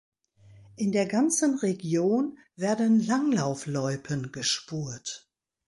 In der ganzen Region werden Langlaufloipen gespurt.